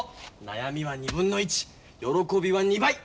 悩みは２分の１喜びは２倍。